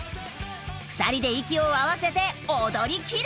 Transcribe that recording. ２人で息を合わせて踊り切れ！